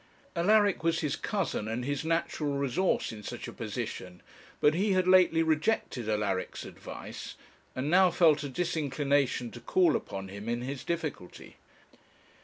Alaric was his cousin and his natural resource in such a position, but he had lately rejected Alaric's advice, and now felt a disinclination to call upon him in his difficulty.